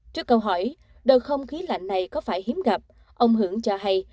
trước câu hỏi đợt không khí lạnh này có phải hiếm gặp ông hưởng cho hay